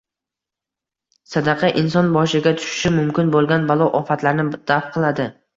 Sadaqa inson boshiga tushishi mumkin bo‘lgan balo-ofatlarni daf qiladi.